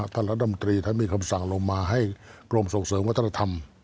ท่านรัฐมนตรีท่านมีคำสั่งลงมาให้กรมส่งเสริมวัฒนธรรม